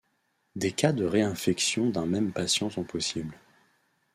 Des cas de réinfection d'un même patient sont possibles.